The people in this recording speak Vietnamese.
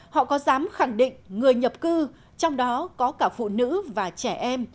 họ có dám khẳng định người nhập cư trong đó có cả phụ nữ và trẻ em